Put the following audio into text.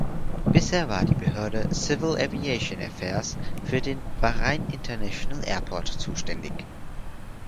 Bisher war die Behörde Civil Aviation Affairs für den Bahrain International Airport zuständig.